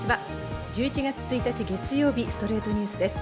１１月１日、月曜日『ストレイトニュース』です。